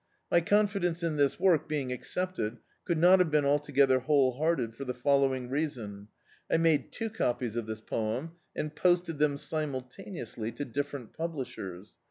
My confidence in this work being ac cepted could not have been altogether whole hearted, for the following reason: I made two copies of this poem, and posted them simultaneously to different publishers.